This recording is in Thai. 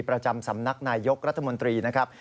ประจำสำนักนายยกรัฐมนตรีนะครับ